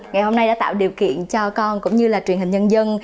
ngày hôm nay đã tạo điều kiện cho con cũng như là truyền hình nhân dân